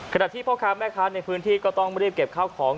ที่พ่อค้าแม่ค้าในพื้นที่ก็ต้องรีบเก็บข้าวของ